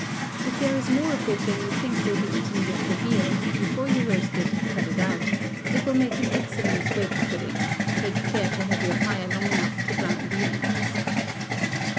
If there is more of it than you think will be eaten with the veal, before you roast it cut it out, it will make an excellent suet pudding: take care to have your fire long enough to brown the ends.